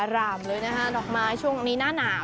รามเลยนะฮะดอกไม้ช่วงนี้หน้าหนาว